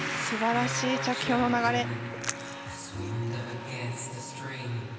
すばらしい着氷の流れ。